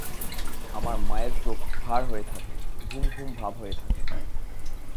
আমার মায়ের চোখ ভার হয়ে থাকে, ঘুম ঘুম ভাব হয়ে থাকে।